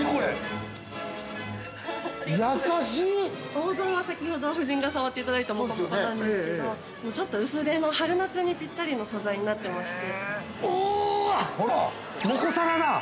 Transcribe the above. ◆オーバーは先ほど夫人が触っていただいたもこもこなんですけどちょっと薄手の春夏にぴったりの素材になってまして。